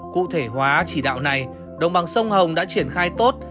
cụ thể hóa chỉ đạo này đồng bằng sông hồng đã triển khai tốt